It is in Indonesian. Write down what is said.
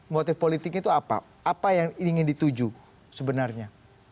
motif politiknya itu apa apa yang ingin dituju sebenarnya